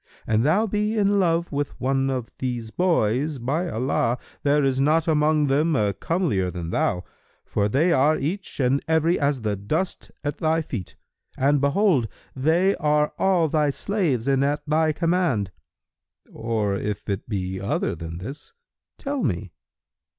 An thou be in love with one of these boys,[FN#312] by Allah, there is not among them a comelier than thou, for they are each and every as the dust at thy feet; and behold, they are all thy slaves and at thy command. Or if it be other than this, tell me."